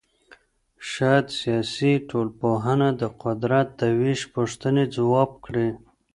شاید سیاسي ټولنپوهنه د قدرت د وېش پوښتنې ځواب کړي.